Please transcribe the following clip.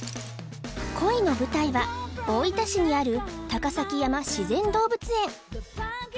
恋の舞台は大分市にある高崎山自然動物園